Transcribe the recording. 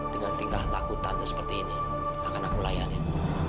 dengan tingkah laku tante seperti ini akan aku layanin